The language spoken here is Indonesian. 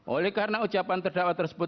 oleh karena ucapan terdakwa tersebut